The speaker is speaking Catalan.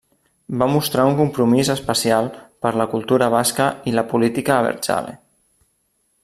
Va mostrar un compromís especial per la cultura basca i la política abertzale.